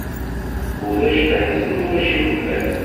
Ulac leḥzen, ulac imeṭṭi.